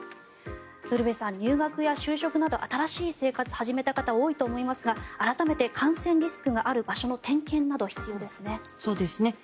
ウルヴェさん、入学や就職など新しい生活を始めた方が多いと思いますが改めて感染リスクのある場所の点検など必要ですね。